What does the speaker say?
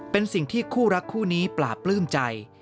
เป็นสิ่งที่คู่รักคู่นี้ปลาปลื้มใจ